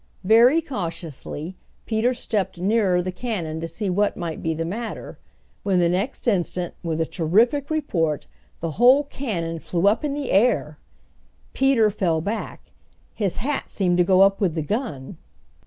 Very cautiously Peter stepped nearer the cannon to see what might be the matter, when the next instant with a terrific report the whole cannon flew up in the air! Peter fell back! His hat seemed to go up with the gun!